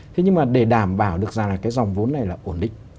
thế nhưng mà để đảm bảo được rằng là cái dòng vốn này là ổn định